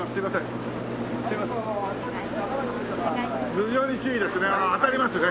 頭上に注意ですね。